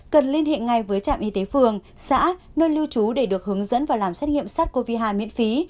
với trạm y tế phường xã nơi lưu trú để được hướng dẫn và làm xét nghiệm sát covid một mươi chín miễn phí